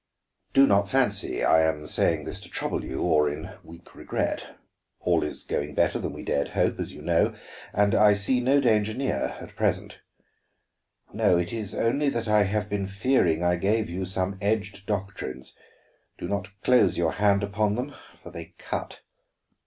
Do not fancy I am saying this to trouble you, or in weak regret. All is going better than we dared hope, as you know; and I see no danger near, at present. No; it is only that I have been fearing I gave you some edged doctrines; do not close your hand upon them, for they cut.